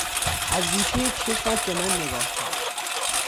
از گوشهی چشمش به من نگاه کرد.